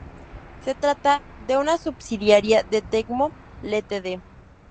Se trata de una subsidiaria de Tecmo, Ltd.